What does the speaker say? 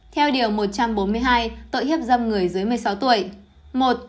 theo điều một trăm bốn mươi hai tội hiếp dâm người dưới một mươi sáu tuổi